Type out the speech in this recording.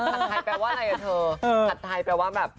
ผัดใจแปลว่าอะไรกับเธอผัดใจแปลว่าแบบ